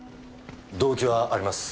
動機はあります。